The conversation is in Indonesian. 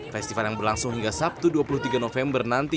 festival yang berlangsung hingga sabtu dua puluh tiga november nanti